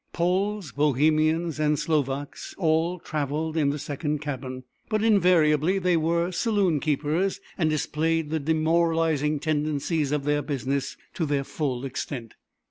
Poles, Bohemians and Slovaks all travelled in the second cabin; but invariably they were saloon keepers and displayed the demoralizing tendencies of their business to their full extent.